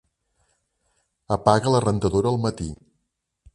Apaga la rentadora al matí.